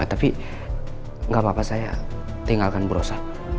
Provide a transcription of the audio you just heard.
tapi gak papa saya tinggalkan berusaha